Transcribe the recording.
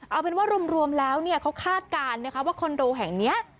เอาเป็นว่ารวมแล้วเขาคาดการณ์นะคะว่าคอนโดแห่งนี้